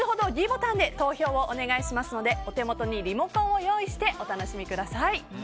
ｄボタンで投票をお願いしますのでお手元にリモコンを用意してお楽しみください。